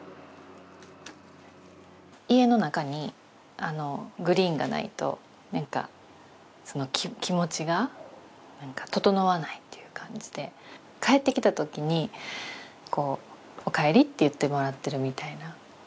家の中にあのグリーンがないとなんかその気持ちがととのわないっていう感じで帰ってきたときにこうおかえりって言ってもらってるみたいな。